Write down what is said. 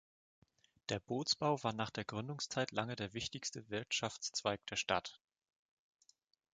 Der Bootsbau war nach der Gründungszeit lange der wichtigste Wirtschaftszweig der Stadt.